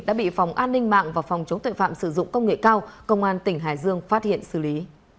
đã bị phòng an ninh mạng và phòng chống tuệ phạm sử dụng công nghệ cao công an tỉnh hải dương phát hiện xử lý